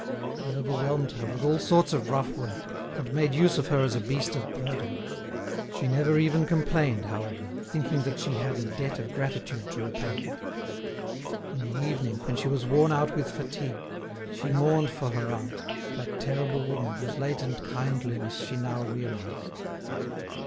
He overwhelmed her with all sorts of rough work, and made use of her as a beast of burden. She never even complained, however, thinking that she had a debt of gratitude to repay him. In the evening, when she was worn out with fatigue, she mourned for her aunt, that terrible woman whose latent kindliness she now realised.